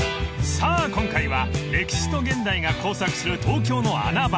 ［さあ今回は歴史と現代が交錯する東京の穴場